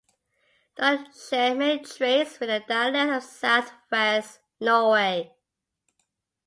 Norn shared many traits with the dialects of south-west Norway.